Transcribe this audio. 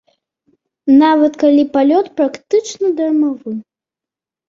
Нават калі палёт практычна дармавы?